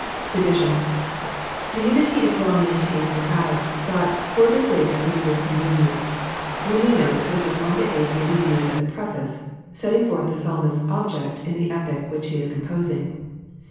Division.— 77t« unity is wett maintained throughout, bfut for the sake of the reader's con venience, we may mtte that verses 1—8 may be viewed as a preface, setting fortl^ the psabnisfs object in the epic wfuch he is composing.